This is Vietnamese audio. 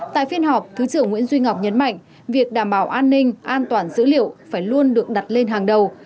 tại phiên họp thứ trưởng nguyễn duy ngọc nhấn mạnh việc đảm bảo an ninh an toàn dữ liệu phải luôn được đặt lên hàng đầu